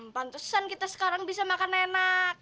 pantesan kita sekarang bisa makan enak